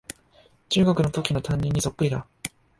中学のときの担任にそっくりだ